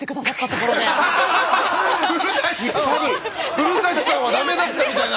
古さんはダメだったみたいな。